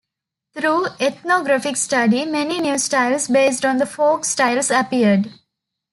Through ethnographic study, many new styles based on the folk styles appeared.